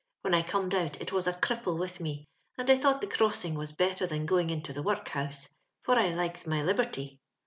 When I comed out it was a cripple with me, and I thought tlie crossing was better than going into the workhouse — for I likes my liU'rty.